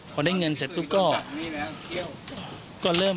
พอได้เงินเสร็จมันจะลงให้เนี่ย